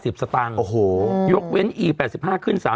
พี่โอ๊คบอกว่าเขินถ้าต้องเป็นเจ้าภาพเนี่ยไม่ไปร่วมงานคนอื่นอะได้